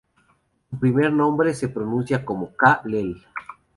Su primer nombre se pronuncia como Kha-leel.